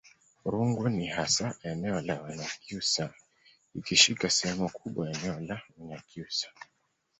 Rungwe ni hasa eneo la Wanyakyusa ikishika sehemu kubwa ya eneo la Unyakyusa